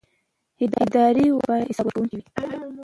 اداري واک باید حساب ورکوونکی وي.